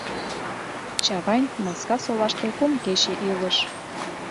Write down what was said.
Чавайн Маскасолаште кум кече илыш.